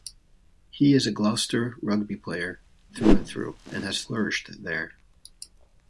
He is a Gloucester Rugby player through and through and has flourished there.